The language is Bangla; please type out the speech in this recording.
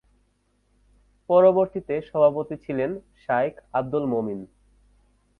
পরবর্তীতে সভাপতি ছিলেন শায়খ আব্দুল মোমিন।